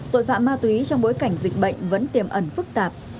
tội phạm ma túy trong bối cảnh dịch bệnh vẫn tiềm ẩn phức tạp